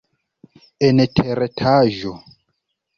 En teretaĝo.